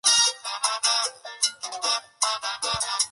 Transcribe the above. Ha jugado en los equipos Carolina Panthers y Pittsburgh Steelers.